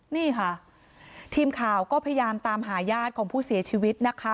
นี่ค่ะทีมข่าวก็พยายามตามหาญาติของผู้เสียชีวิตนะคะ